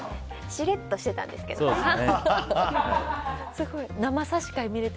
しれっとしてたんですけどね。